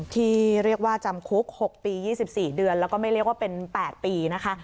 ที่เรียกว่าจำคุก๖ปี๒๔เดือนแล้วก็ไม่เรียกว่าเป็น๘ปีนะคะ